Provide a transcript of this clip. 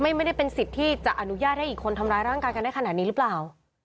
ไม่ได้เป็นสิทธิ์ที่จะอนุญาตให้อีกคนทำร้ายร่างกายกันได้ขนาดนี้หรือเปล่า